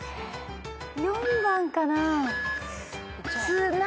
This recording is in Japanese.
４番かな？